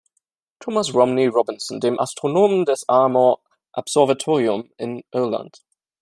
Thomas Romney Robinson, dem Astronomen des Armagh Observatorium in Irland.